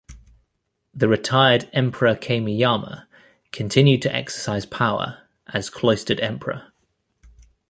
The retired Emperor Kameyama continued to exercise power as cloistered emperor.